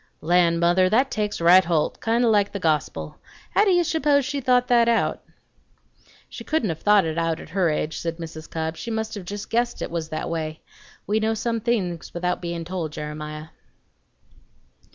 Land, mother! that takes right holt, kind o' like the gospel. How do you suppose she thought that out?" "She couldn't have thought it out at her age," said Mrs. Cobb; "she must have just guessed it was that way. We know some things without bein' told, Jeremiah."